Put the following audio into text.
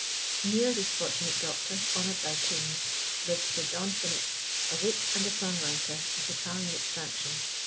Near this fortunate doctor, honoured by kings, lived Sir John Finett, a wit and a song writer, of Italian extraction.